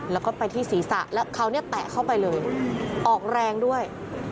แล้วก็ไปที่ศีรษะแล้วเขาเนี่ยแตะเข้าไปเลยออกแรงด้วย